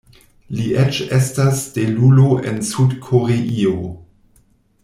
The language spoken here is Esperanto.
Li eĉ estas stelulo en Sud-Koreio.